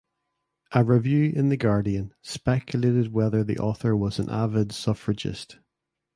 A review in "The Guardian" speculated whether the author was an avid suffragist.